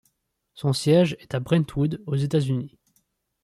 Son siège est à Brentwood, aux États-Unis.